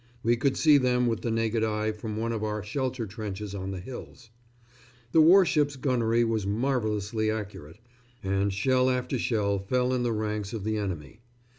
We could see them with the naked eye from one of our shelter trenches on the hills. The warships' gunnery was marvellously accurate, and shell after shell fell in the ranks of the enemy.